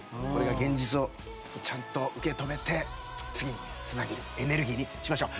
現実をちゃんと受け止めて次につなげるエネルギーにしましょう。